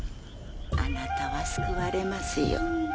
あなたは救われますよ。